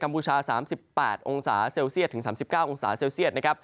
กำบูชา๓๘องศาเซลเซียน